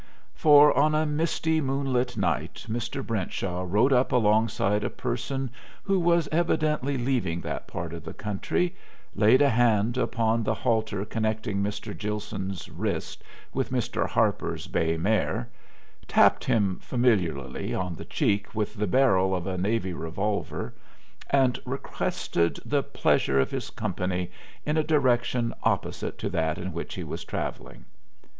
For on a misty, moonlight night Mr. Brentshaw rode up alongside a person who was evidently leaving that part of the country, laid a hand upon the halter connecting Mr. Gilson's wrist with Mr. Harper's bay mare, tapped him familiarly on the cheek with the barrel of a navy revolver and requested the pleasure of his company in a direction opposite to that in which he was traveling.